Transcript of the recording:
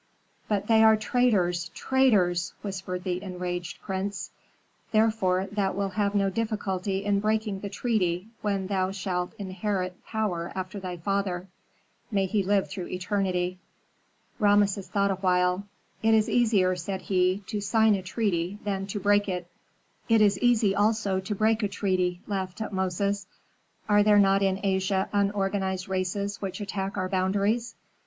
"But they are traitors, traitors!" whispered the enraged prince. "Therefore thou wilt have no difficulty in breaking the treaty when thou shalt inherit power after thy father, may he live through eternity!" Rameses thought awhile. "It is easier," said he, "to sign a treaty than to break it." "It is easy also to break a treaty," laughed Tutmosis. "Are there not in Asia unorganized races which attack our boundaries?